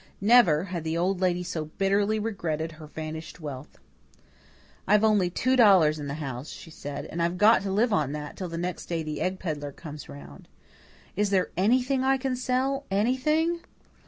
Never had the Old Lady so bitterly regretted her vanished wealth. "I've only two dollars in the house," she said, "and I've got to live on that till the next day the egg pedlar comes round. Is there anything I can sell ANYTHING?